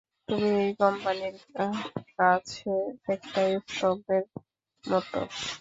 তুমি এই কোম্পানির কাছে একটা স্তম্ভের মতো।